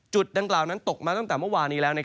ดังกล่าวนั้นตกมาตั้งแต่เมื่อวานนี้แล้ว